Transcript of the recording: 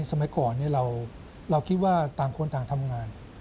สมัยก่อนเราคิดว่าต่างคนต่างทำงาน